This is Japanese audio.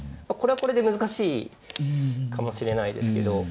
これはこれで難しいかもしれないですけど。